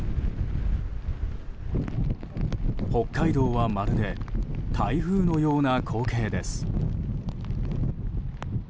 北海道はまるで台風のような光景です。